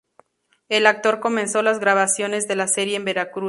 El actor comenzó las grabaciones de la serie en Veracruz.